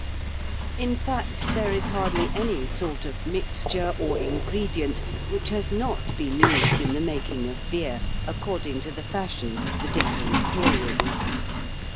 In fact, there is hardly any sort of mixture or ingredient which has not been used in the making of beer, according to the fashions of the different periods.